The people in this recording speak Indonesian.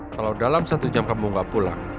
kalau dalam satu jam kamu nggak pulang